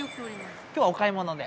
今日はお買い物で？